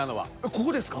ここですか？